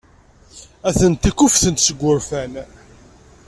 Atenti kkufftent seg wurfan.